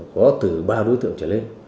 có từ ba đối tượng trở lên